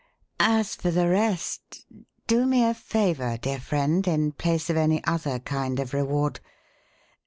As for the rest, do me a favour, dear friend, in place of any other kind of reward.